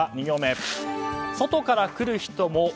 ２行目、外から来る人も！